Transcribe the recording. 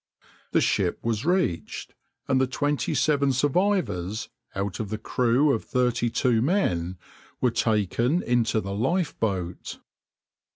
The ship was reached, and the twenty seven survivors, out of the crew of thirty two men, were taken into the lifeboat.